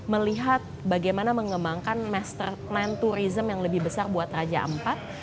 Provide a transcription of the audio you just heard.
melihat bagaimana mengembangkan master plan tourism yang lebih besar buat raja ampat